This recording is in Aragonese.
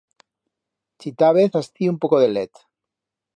Chitábez astí un poco de let.